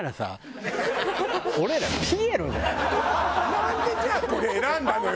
なんでじゃあこれ選んだのよ